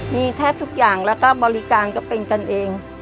มีแทบทุกอย่างแล้วก็บริการก็เป็นกันเอง